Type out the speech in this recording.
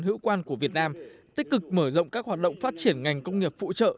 hữu quan của việt nam tích cực mở rộng các hoạt động phát triển ngành công nghiệp phụ trợ